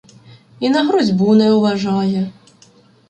І на грозьбу не уважає.